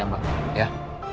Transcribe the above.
sampai jumpa di video selanjutnya